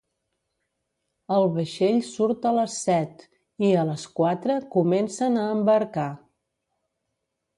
El vaixell surt a les set, i a les quatre comencen a embarcar.